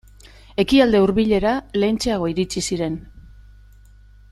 Ekialde Hurbilera lehentxeago iritsi ziren.